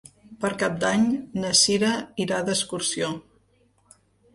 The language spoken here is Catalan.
Per Cap d'Any na Cira irà d'excursió.